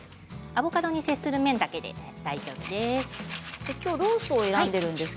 アボカドに接する面だけで大丈夫です。